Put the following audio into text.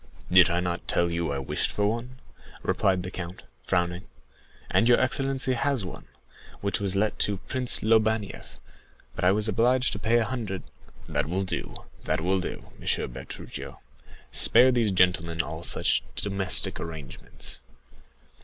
"Did I not tell you I wished for one?" replied the count, frowning. "And your excellency has one, which was let to Prince Lobanieff; but I was obliged to pay a hundred——" "That will do—that will do, Monsieur Bertuccio; spare these gentlemen all such domestic arrangements.